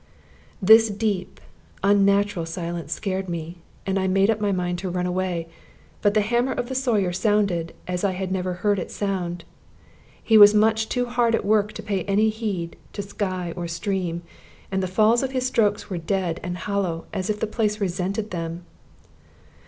This deep, unnatural stillness scared me, and I made up my mind to run away. But the hammer of the Sawyer sounded as I had never heard it sound. He was much too hard at work to pay any heed to sky or stream, and the fall of his strokes was dead and hollow, as if the place resented them.